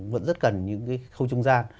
vẫn rất cần những cái khâu trung gian